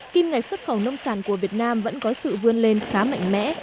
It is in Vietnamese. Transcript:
kim ngạch xuất khẩu nông sản của việt nam vẫn có sự vươn lên khá mạnh mẽ